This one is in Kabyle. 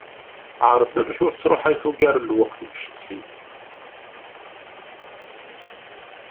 Ԑreḍ amek ur tersruḥayeḍ ugar n lweqt deg ucetki.